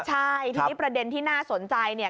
ใช่ทีนี้ประเด็นที่น่าสนใจเนี่ย